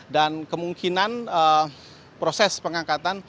dan kemungkinan proses pengangkat